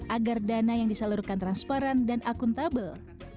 agar dana yang disalurkan transparan dan akuntabel